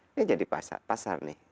ini jadi pasar nih